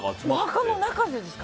お墓の中でですか？